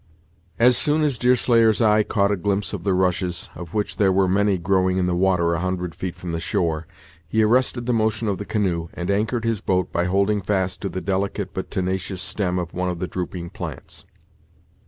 As soon as Deerslayer's eye caught a glimpse of the rushes, of which there were many growing in the water a hundred feet from the shore, he arrested the motion of the canoe, and anchored his boat by holding fast to the delicate but tenacious stem of one of the drooping plants.